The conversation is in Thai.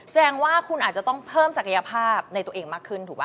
แสดงว่าคุณอาจจะต้องเพิ่มศักยภาพในตัวเองมากขึ้นถูกไหม